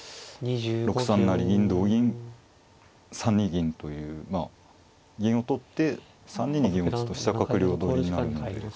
６三成銀同銀３二銀という銀を取って３二に銀を打つと飛車角両取りになるので。